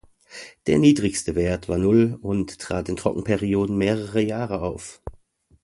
Der niedrigste Wert war null und trat in Trockenperioden mehrerer Jahre auf.